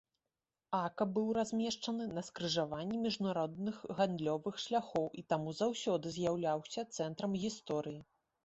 Ака быў размешчаны на скрыжаванні міжнародных гандлёвых шляхоў і таму заўсёды з'яўляўся цэнтрам гісторыі.